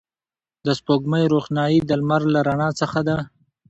د سپوږمۍ روښنایي د لمر له رڼا څخه ده